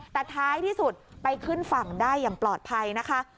แต่ท้ายที่สุดไปขึ้นฝั่งได้อย่างปลอดภัยนะคะ